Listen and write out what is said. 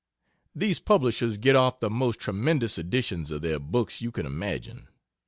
These publishers get off the most tremendous editions of their books you can imagine.